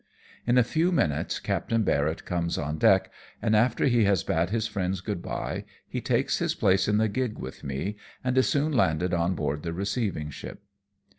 In a few minutes, Captain Barrett comes on deck, and after he has bade his friends good bye, he takes his place in the gig with me, and is soon landed on board the receiving ship.